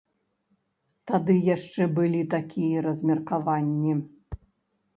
Тады яшчэ былі такія размеркаванні.